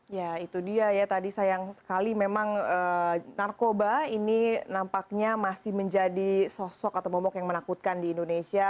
ya itu dia ya tadi sayang sekali memang narkoba ini nampaknya masih menjadi sosok atau momok yang menakutkan di indonesia